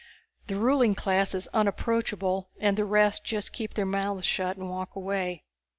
The ruling class is unapproachable and the rest just keep their mouths shut and walk away.